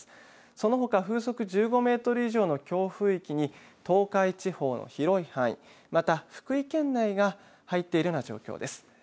そのほか風速１５メートル以上の強風域に東海地方の広い範囲また福井県内が入っているような状況です。